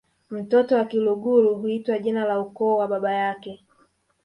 Mtoto wa Kiluguru huitwa jina la ukoo wa baba yake